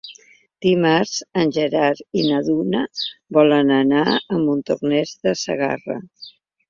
Dimarts en Gerard i na Duna volen anar a Montornès de Segarra.